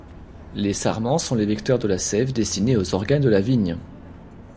Les sarments sont les vecteurs de la sève destinés aux organes de la vigne.